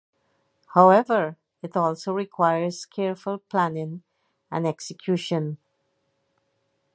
However, it also requires careful planning and execution.